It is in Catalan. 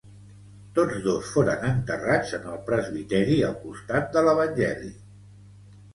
Tots dos foren enterrats en el presbiteri al costat de l'evangeli.